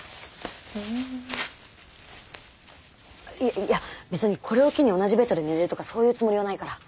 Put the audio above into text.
いや別にこれを機に同じベッドで寝れるとかそういうつもりはないから。